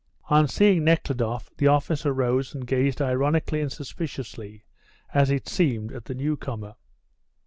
On seeing Nekhludoff the officer rose and gazed ironically and suspiciously, as it seemed, at the newcomer.